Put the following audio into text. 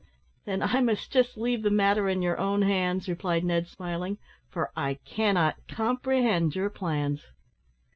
"Then I must just leave the matter in your own hands," replied Ned, smiling, "for I cannot comprehend your plans."